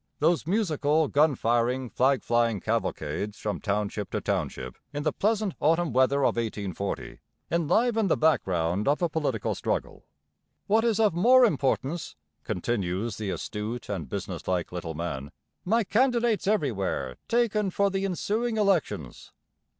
Those musical, gun firing, flag flying cavalcades from township to township in the pleasant autumn weather of 1840 enliven the background of a political struggle. 'What is of more importance,' continues the astute and businesslike little man, 'my candidates everywhere taken for the ensuing elections.'